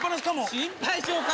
心配性か！